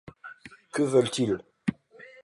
Que veulent-ils ?